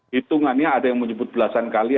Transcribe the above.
hitungannya ada yang menyebut belasan kali